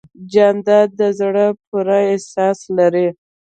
جانداد د زړه پوره احساس لري.